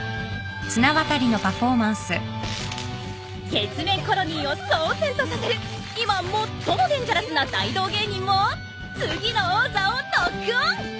月面コロニーを騒然とさせる今最もデンジャラスな大道芸人も次の王座をロックオン！